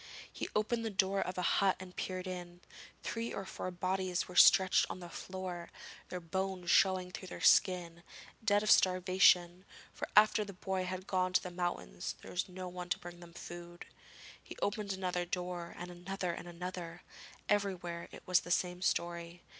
He opened the door of a hut and peeped in: three or four bodies were stretched on the floor, their bones showing through their skin, dead of starvation; for after the boy had gone to the mountains there was no one to bring them food. He opened another door, and another and another; everywhere it was the same story.